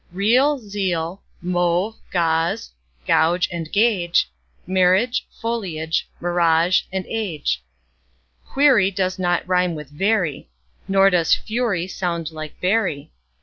Real, zeal; mauve, gauze and gauge; Marriage, foliage, mirage, age. Query does not rime with very, Nor does fury sound like bury.